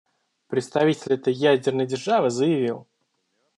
Представитель этой ядерной державы заявил: